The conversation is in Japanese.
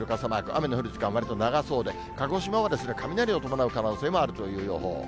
雨の降る時間、わりと長そうで、鹿児島は雷を伴う可能性もあるという予報。